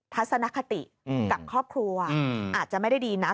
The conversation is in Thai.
ทัศนคติกับครอบครัวอาจจะไม่ได้ดีนัก